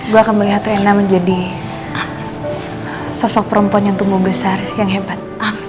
gue akan melihat rena menjadi sosok perempuan yang tumbuh besar yang hebat